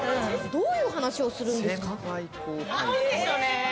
どういう話をするんですか？